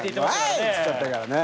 っつっちゃったからね。